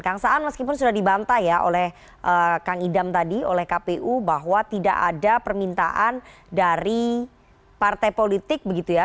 kangsaan meskipun sudah dibantai oleh kang idam tadi oleh kpu bahwa tidak ada permintaan dari partai politik begitu ya